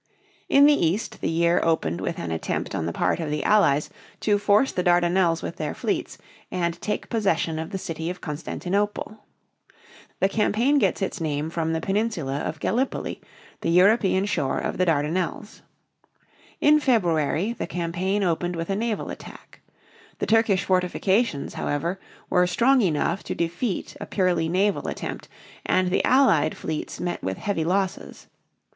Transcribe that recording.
In the east the year opened with an attempt on the part of the Allies to force the Dardanelles with their fleets and take possession of the city of Constantinople. The campaign gets its name from the peninsula of Gallip´oli, the European shore of the Dardanelles. In February the campaign opened with a naval attack. The Turkish fortifications, however, were strong enough to defeat a purely naval attempt and the Allied fleets met with heavy losses.